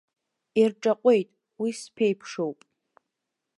Ирҿаҟәеит, уи сԥеиԥшоуп.